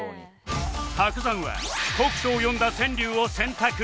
伯山は酷暑を詠んだ川柳を選択